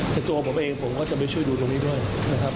แต่ตัวผมเองผมก็จะไปช่วยดูตรงนี้ด้วยนะครับ